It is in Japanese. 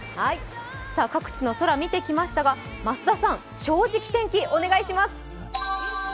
各地の空、見てきましたが正直天気、お願いします。